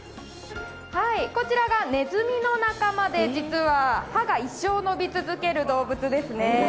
こちらがねずみの仲間で、歯が一生伸び続ける動物ですね。